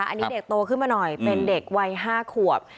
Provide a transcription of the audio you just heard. อันนี้เด็กโตขึ้นมาหน่อยเป็นเด็กวัย๕ขวบ